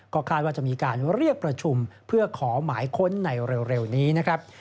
ก็คาดว่าจะมีการเรียกประชุมเพื่อขอหมายค้นในเร็วนี้นะครับ